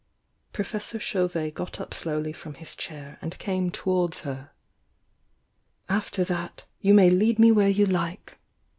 Profesjsor Cha dvet got up slowly from his chair and came to wards her. "After that, you may lead me where you like!"